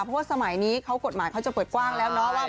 เพราะว่าสมัยนี้เขากฎหมายเขาจะเปิดกว้างแล้วเนาะว่า